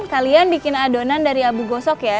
kalian bikin adonan dari abu gosok ya